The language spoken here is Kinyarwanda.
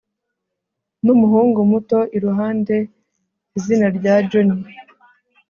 n'umuhungu muto iruhande, izina rya johnny